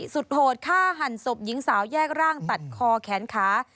โหดฆ่าหันศพหญิงสาวแยกร่างตัดคอแขนขา